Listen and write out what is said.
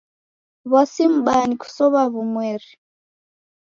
W'asi m'baa ni kusow'a w'umweri.